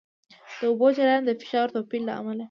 د اوبو جریان د فشار توپیر له امله وي.